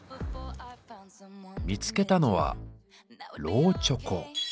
見つけたのはローチョコ。